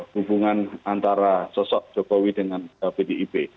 hubungan antara sosok jokowi dengan pdip